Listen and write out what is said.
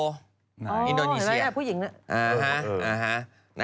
อ๋อเห็นไหมผู้หญิงน่ะ